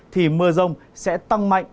thì mưa rông sẽ tăng mạnh